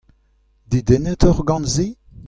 Dedennet oc'h gant se ?